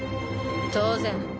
当然。